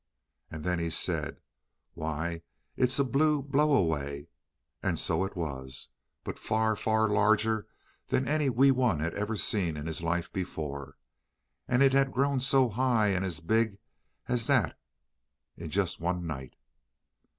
And then he said, "Why, it is a blue blow away!" And so it was, but far, far larger than any Wee Wun had ever seen in his life before. And it had grown so high and as big as that in just one night.